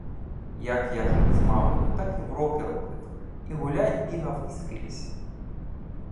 Як я жив з мамою, так і вроки робив, і гулять бігав, і скрізь.